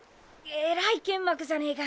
えらい剣幕じゃねえか。